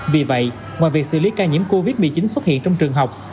vì vậy ngoài việc xử lý ca nhiễm covid một mươi chín xuất hiện trong trường học